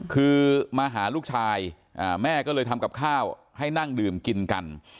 คือมาหาลูกชายแม่ก็เลยทำกับข้าวให้นั่งดื่มกินกัน